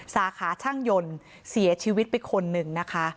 สาขาช่างยนต์เสียชีวิตไปคนหนึ่งนะคะ